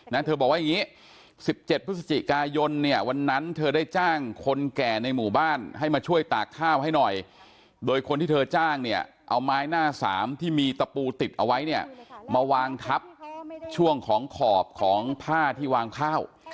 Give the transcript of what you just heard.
เธอบอกว่าอย่างนี้๑๗พฤศจิกายนเนี่ยวันนั้นเธอได้จ้างคนแก่ในหมู่บ้านให้มาช่วยตากข้าวให้หน่อยโดยคนที่เธอจ้างเนี่ยเอาไม้หน้าสามที่มีตะปูติดเอาไว้เนี่ยมาวางทับช่วงของขอบของผ้าที่วางข้าว